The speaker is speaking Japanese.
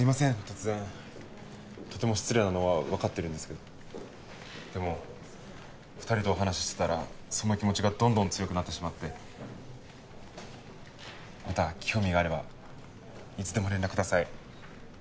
突然とても失礼なのは分かってるんですけどでも２人とお話ししてたらそんな気持ちがどんどん強くなってしまってまた興味があればいつでも連絡ください